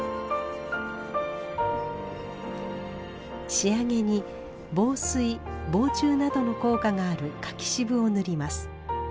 仕上げに防水・防虫などの効果がある柿渋を塗ります。